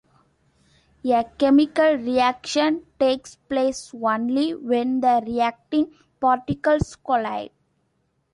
A chemical reaction takes place only when the reacting particles collide.